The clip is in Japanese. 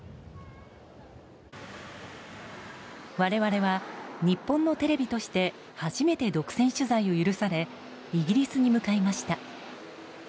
我々は日本のテレビとして初めて独占取材を許されイギリスに向かいました。